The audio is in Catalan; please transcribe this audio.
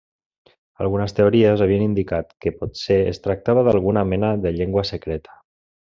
Algunes teories havien indicat que potser es tractava d'alguna mena de llengua secreta.